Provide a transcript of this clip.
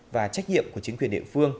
và trách nhiệm của chính quyền địa phương